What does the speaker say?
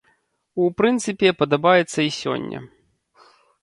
У прынцыпе, падабаецца і сёння.